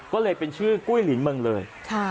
ก็เลยเป็นชื่อกุ้ยหลินเมืองเลย